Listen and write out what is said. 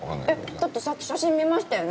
だってさっき写真見ましたよね？